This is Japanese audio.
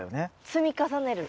積み重ねる。